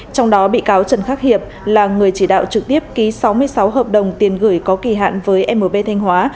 trong đó bị cáo trần khắc hiệp là người chỉ đạo trực tiếp ký sáu mươi sáu hợp đồng tiền gửi có kỳ hạn với mb thanh hóa